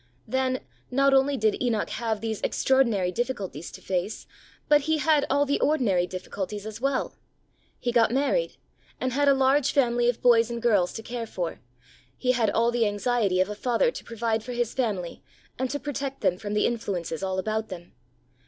Then, not only did Enoch have these extraordinary difficulties to face, but he had all the ordinary difficulties as well. He got married, and had a large family of boys and girls to care for ; he had all the anxiety of a father to provide for his family and to protect them from the influences all about them.